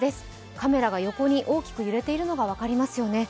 カメラが横に大きく揺れているのが分かりますよね。